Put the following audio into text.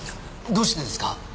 どうしてですか？